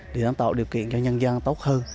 để tạo điều kiện cho nhân dân tốt hơn